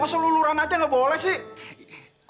masa luluran aja gak boleh sih